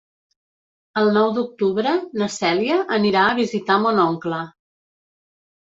El nou d'octubre na Cèlia anirà a visitar mon oncle.